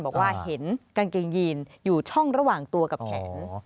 บอกว่าเห็นกางเกงยีนอยู่ช่องระหว่างตัวกับแขน